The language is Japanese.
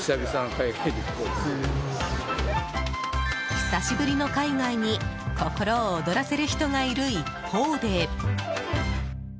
久しぶりの海外に心を踊らせる人がいる一方で。